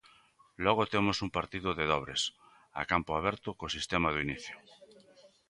Logo temos un partido de dobres a campo aberto co sistema do inicio.